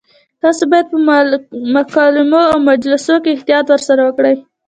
تاسو باید په مکالمو او مجالسو کې احتیاط ورسره وکړئ.